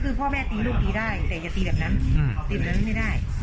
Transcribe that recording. คือพ่อแม่ตีลูกตีได้แต่อย่าตีแบบนั้นตีแบบนั้นไม่ได้